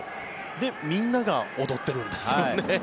で、みんなが踊ってるんですよね。